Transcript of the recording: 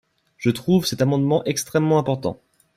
Je trouve cet amendement extrêmement important.